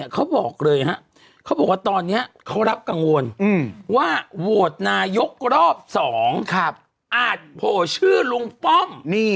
เขาบอกเลยครับเขาบอกว่าตอนนี้เขารับกังวลว่าโหวตนายกรอบ๒อาจโผล่ชื่อลุงป้อม